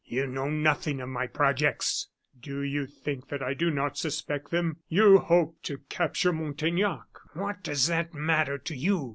"You know nothing of my projects!" "Do you think that I do not suspect them? You hope to capture Montaignac " "What does that matter to you?"